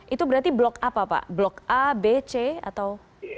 itu berarti blok apa pak blok a b c atau